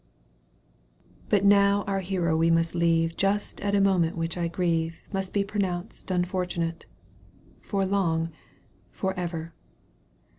— But now our hero we must leave Just at a moment which I grieve Must be pronounced unfortunate — For long — ^for ever.